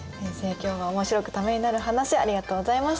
今日もおもしろくためになる話ありがとうございました。